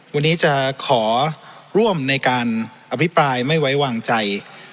วันนี้จะขอร่วมในการอภิปรายไม่ไว้วางใจ